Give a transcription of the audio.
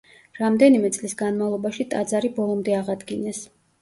რამდენიმე წლის განმავლობაში ტაძარი ბოლომდე აღადგინეს.